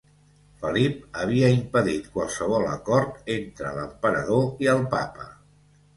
Felip havia impedit qualsevol acord entre l'emperador i el papa.